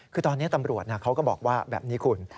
คือตอนนี้ตำรวจเขาก็บอกว่าแบบนี้คุณ